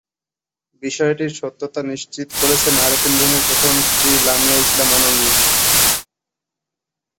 বিষয়টির সত্যতা নিশ্চিত করেছেন আরফিন রুমির প্রথম স্ত্রী লামিয়া ইসলাম অনন্যা।